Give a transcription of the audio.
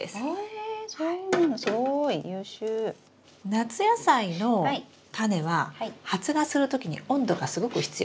夏野菜のタネは発芽するときに温度がすごく必要です。